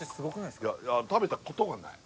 いや食べた事がない。